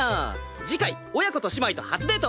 次回「母娘と姉妹と初デート」。